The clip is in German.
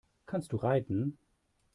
Kannst du reiten?